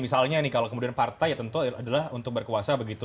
misalnya nih kalau kemudian partai ya tentu adalah untuk berkuasa begitu